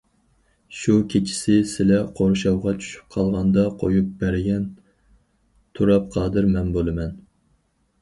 شۇ كېچىسى سىلە قورشاۋغا چۈشۈپ قالغاندا قويۇپ بەرگەن تۇراپ قادىر مەن بولىمەن.